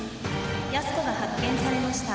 やす子が発見されました。